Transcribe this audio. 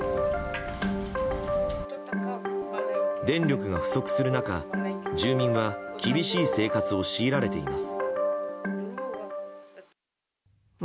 電力が不足する中、住民は厳しい生活を強いられています。